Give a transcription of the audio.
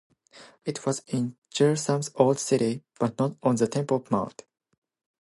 It was in Jerusalem's Old City, but not on the Temple Mount.